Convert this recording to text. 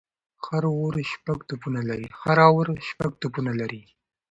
هر اوور شپږ توپونه لري.